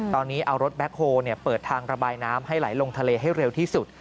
ตอนนี้เอารถแบ็คโฮลเปิดทางระบายน้ำให้ไหลลงทะเลให้เร็วที่สุด